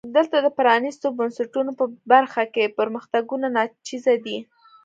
دلته د پرانیستو بنسټونو په برخه کې پرمختګونه ناچیزه دي.